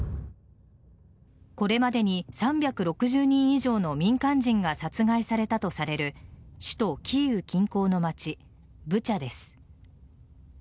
これまでに３６０人以上の民間人が殺害されたとされる首都・キーウ近郊の町ブチャです。